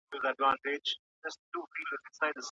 زما او ستا دوستان زموږ څخه بيزاريږي.